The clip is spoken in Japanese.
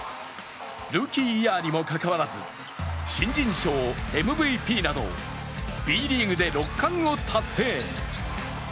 ルーキーイヤーにもかかわらず新人賞、ＭＶＰなどＢリーグで６冠を達成。